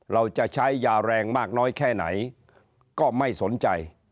เราจะใช้ยาแรงมากน้อยแค่ไหนก็ไม่สนใจ